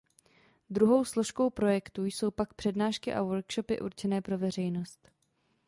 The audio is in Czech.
Druhou složkou projektu jsou pak přednášky a workshopy určené pro veřejnost.